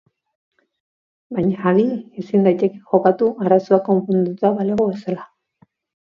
Baina, adi, ezin liteke jokatu arazoa konponduta balego bezala.